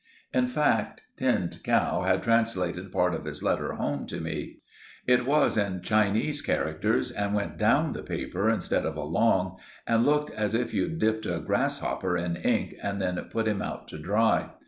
In fact, Tinned Cow had translated part of his letter home to me. It was in Chinese characters, and went down the paper instead of along, and looked as if you'd dipped a grasshopper in ink and then put him out to dry.